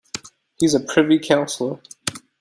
He is a Privy Counsellor.